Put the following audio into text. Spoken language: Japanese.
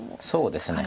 そうですね。